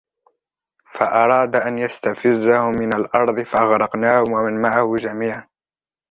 فأراد أن يستفزهم من الأرض فأغرقناه ومن معه جميعا